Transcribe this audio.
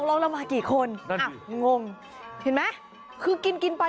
อะไรอย่างนี้